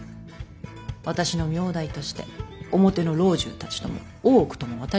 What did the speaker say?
私の名代として表の老中たちとも大奥とも渡り合ってもらう。